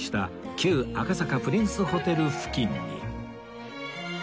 旧赤坂プリンスホテル付近に